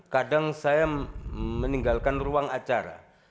kadang saya meninggalkan ruang acara